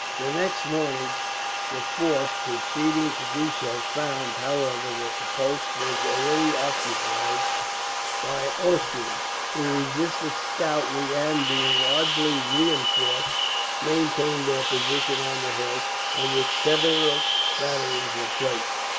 The next morning the force proceeding to do so found, however, that the post was already occupied by Austrians; who resisted stoutly and, being largely reinforced, maintained their position on the hill, on which several batteries were placed.